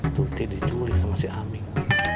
tuti diculik sama si amin